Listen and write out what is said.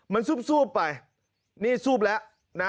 มันซูบไปนี่ซูบแล้วนะ